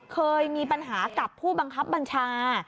เคยมีปัญหากับผู้บังคับบัญชา